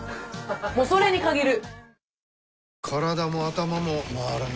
もうそれに限る。